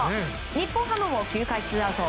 日本ハムも９回ツーアウト。